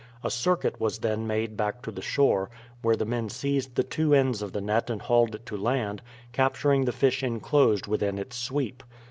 A circuit was then made back to the shore, where the men seized the two ends of the net and hauled it to land, capturing the fish inclosed within its sweep.